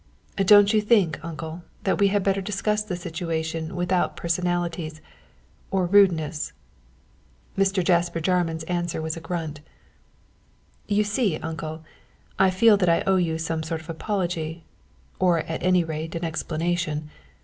"Don't you think, uncle, that we had better discuss the situation without personalities or rudeness?" Mr. Jasper Jarman's answer was a grunt. "You see, uncle, I feel that I owe you some sort of apology, or at any rate an explanation.